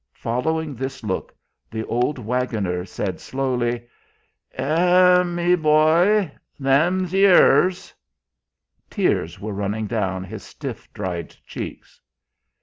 Following this look, the old waggoner said slowly: "Eh, me boy, they'm youers...." Tears were running down his stiff, dried cheeks.